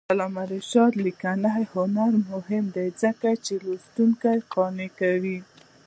د علامه رشاد لیکنی هنر مهم دی ځکه چې لوستونکي قانع کوي.